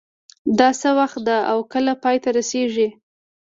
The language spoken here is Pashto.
دا څه وخت ده او کله پای ته رسیږي